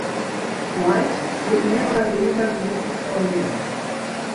White sind mehr oder weniger gut befreundet.